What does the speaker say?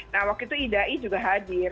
nah waktu itu idai juga hadir